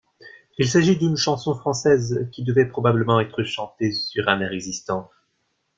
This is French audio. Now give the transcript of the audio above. Il s'agit d'une chanson française qui devait probablement être chantée sur un air existant.